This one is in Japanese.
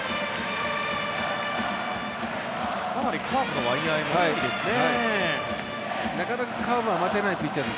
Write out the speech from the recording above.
かなりカーブの割合も多いですね。